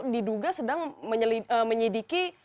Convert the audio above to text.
diduga sedang menyidiki